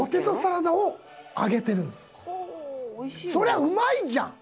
そりゃうまいじゃん！